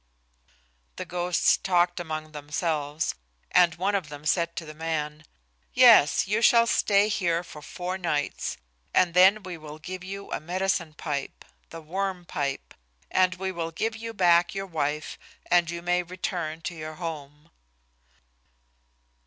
The ghosts talked among themselves, and one of them said to the man, "Yes; you shall stay here for four nights, and then we will give you a medicine pipe the Worm Pipe and we will give you back your wife and you may return to your home."